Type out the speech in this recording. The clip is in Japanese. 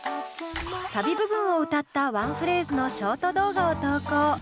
サビ部分を歌ったワンフレーズのショート動画を投稿。